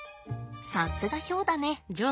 さすがヒョウだね。